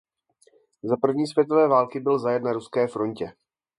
Za první světové války byl zajat na ruské frontě.